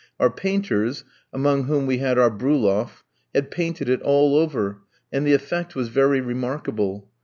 Our painters (among whom we had our Bruloff) had painted it all over, and the effect was very remarkable.